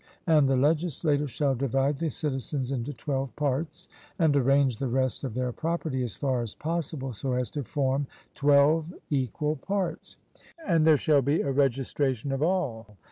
And the legislator shall divide the citizens into twelve parts, and arrange the rest of their property, as far as possible, so as to form twelve equal parts; and there shall be a registration of all.